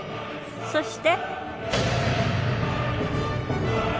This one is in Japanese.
そして。